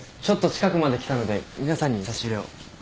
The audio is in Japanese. ちょっと近くまで来たので皆さんに差し入れを。